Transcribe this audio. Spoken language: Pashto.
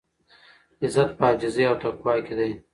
عزت په عاجزۍ او تقوا کې دی.